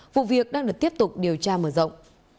vụ việc đang được tiếp tục điều tra mở rộng